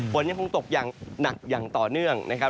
ฝนยังคงตกอย่างหนักอย่างต่อเนื่องนะครับ